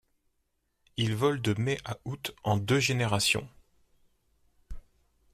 Il vole de mai à août, en deux générations.